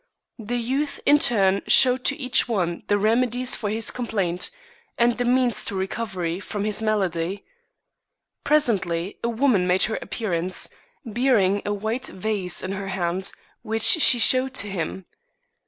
The youth in turn showed to each one the remedies for his complaint, and the means of recovery from his malady. Presently a woman made her appearance, bearing a white vase in her hand, which she showed to him.